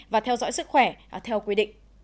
và theo dõi sức khỏe theo quy định